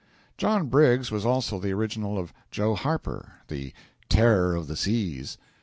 John Briggs was also the original of Joe Harper, the "Terror of the Seas."